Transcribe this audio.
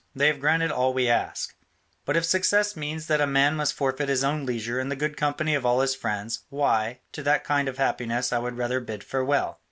They have granted all we asked. But if success means that a man must forfeit his own leisure and the good company of all his friends, why, to that kind of happiness I would rather bid farewell.